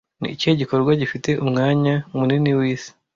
Ni ikihe gikorwa gifite umwanya munini w'isi